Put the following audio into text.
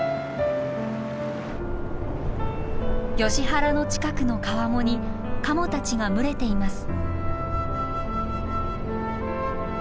ヨシ原の近くの川面にカモたちが群れています。